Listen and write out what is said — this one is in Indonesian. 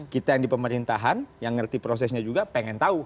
kita yang di pemerintahan yang ngerti prosesnya juga pengen tahu